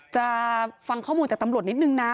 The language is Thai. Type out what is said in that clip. จะฟังข้อมูลจากตำรวจนิดนึงนะ